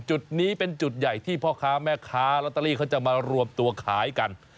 จุดนี้เป็นจุดใหญ่ที่พ่อค้าแม่ค้าลอตเตอรี่เขาจะมารวมตัวขายกัน